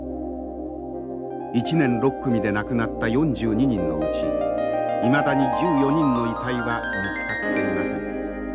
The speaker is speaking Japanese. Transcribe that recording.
１年６組で亡くなった４２人のうちいまだに１４人の遺体は見つかっていません。